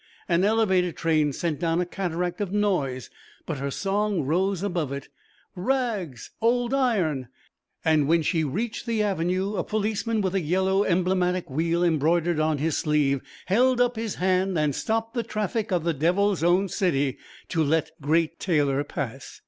An elevated train sent down a cataract of noise, but her song rose above it: "Rags ... old iron...." And when she reached the avenue a policeman with a yellow emblematic wheel embroidered on his sleeve held up his hand and stopped the traffic of the Devil's Own city to let Great Taylor pass.